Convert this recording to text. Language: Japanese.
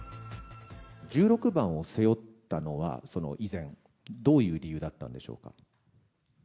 １６番を背負ったのは、以前、どういう理由だったんでしょうか。